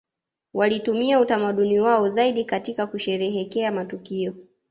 Walitumia utamaduni wao zaidi katika kusherehekea matukio